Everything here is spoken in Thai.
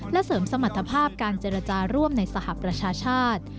และเสริมสมรรถภาพการเจรจาร่วมในสหประชาชาติ